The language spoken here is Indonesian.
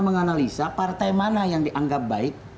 menganalisa partai mana yang dianggap baik